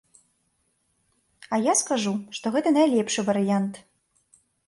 А я скажу, што гэта найлепшы варыянт.